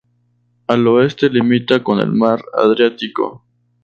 Al oeste, limita con el mar Adriático.